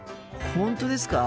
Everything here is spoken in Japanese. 本当ですか？